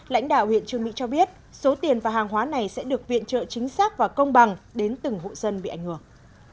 lãnh đạo huyện trương mỹ cho biết số tiền và hàng hóa này sẽ được viện trợ chính xác và công bằng đến từng hộ dân bị ảnh hưởng